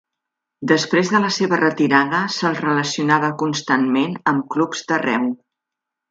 Després de la seva retirada se'l relacionava constantment amb clubs d'arreu.